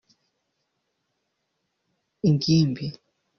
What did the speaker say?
ingimbi